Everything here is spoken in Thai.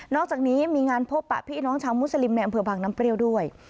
อกจากนี้มีงานพบปะพี่น้องชาวมุสลิมในอำเภอบางน้ำเปรี้ยวด้วย